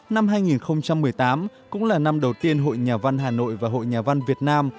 năm hai nghìn một mươi tám cũng là năm đầu tiên hội nhà văn hà nội và hội nhà văn việt nam